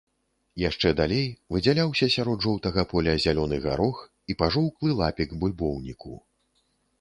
Яшчэ далей выдзяляўся сярод жоўтага поля зялёны гарох і пажоўклы лапік бульбоўніку.